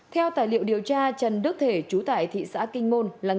theo tài liệu điều tra trần đức thể chú tại thị xã kinh môn